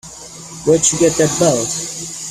Where'd you get that belt?